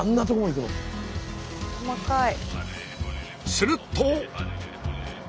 すると！